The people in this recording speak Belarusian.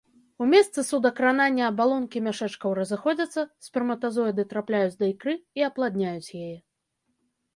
У месцы судакранання абалонкі мяшэчкаў разыходзяцца, сперматазоіды трапляюць да ікры і апладняюць яе.